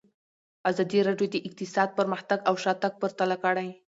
ازادي راډیو د اقتصاد پرمختګ او شاتګ پرتله کړی.